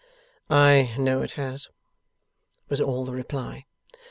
'I know it has,' was all the reply.